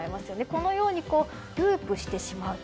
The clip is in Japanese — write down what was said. このようにループしてしまうと。